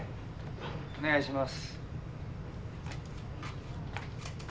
・お願いします。